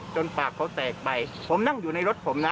ปากเขาแตกไปผมนั่งอยู่ในรถผมนะ